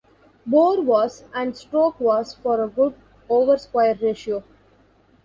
Bore was and stroke was for a good oversquare ratio.